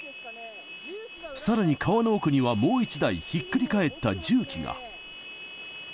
さらに、川の奥にはもう１台ひっくり返った重機が。